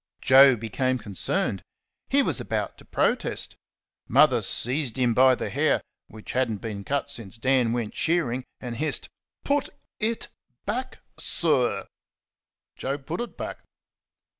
Joe became concerned. He was about to protest. Mother seized him by the hair (which had n't been cut since Dan went shearing) and hissed: "Put it back sir!" Joe put it back.